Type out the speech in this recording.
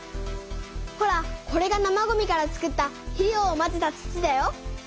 ほらこれが生ごみから作った肥料をまぜた土だよ。